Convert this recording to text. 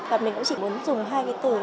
và mình cũng chỉ muốn dùng hai cái từ